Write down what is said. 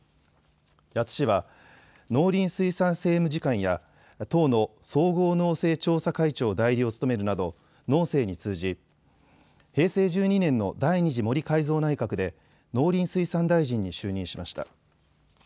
谷津氏は農林水産政務次官や党の総合農政調査会長代理を務めるなど農政に通じ、平成１２年の第２次森改造内閣で農林水産大臣に就任しました。